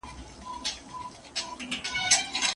ميراث د خاوند او ميرمني شريک حق دی.